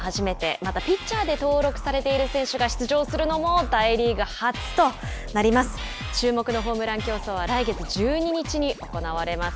またピッチャーで登録されている選手が出場するのも大リーグ初となります。